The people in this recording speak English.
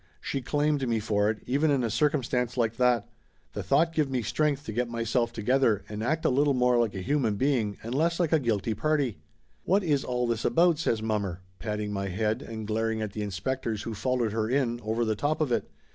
She claimed me for it, even in a circum stance like that ! The thought give me strength to get myself together and act a little more like a human be ing and less like a guilty party. "What is all this about ?" says mommer, patting my head and glaring at the inspectors who followed her in, over the top of it.